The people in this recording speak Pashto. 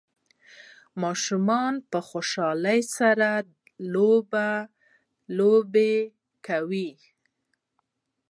ماشوم په خوشحالۍ سره لوبي لوبې کوي